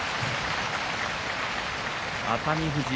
熱海富士